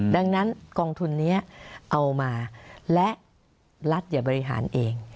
ดังนั้นกองทุนนี้เอามาและรัฐอย่าบริหารเอง